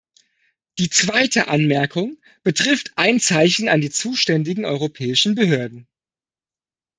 Die zweite Anmerkung betrifft ein Zeichen an die zuständigen europäischen Behörden.